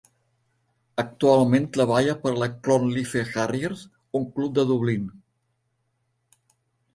Actualment treballa per a Clonliffe Harriers, un club de Dublín.